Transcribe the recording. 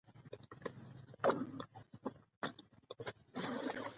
د هلمند پوهنتون په څېړنیز کنفرانس کي د کندهار پوهنتون اول مقام ګټل.